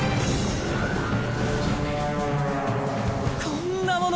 こんなもの